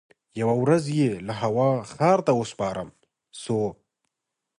یوه ورځ یې له هوا ښار ته ورپام سو